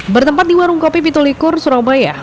bertempat di warung kopi pitulikur surabaya